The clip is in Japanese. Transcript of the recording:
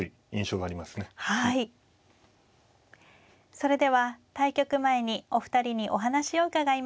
それでは対局前にお二人にお話を伺いました。